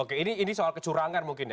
oke ini soal kecurangan mungkin ya